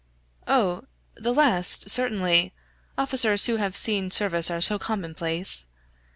"Oh, the last, certainly officers who have seen service are so commonplace!"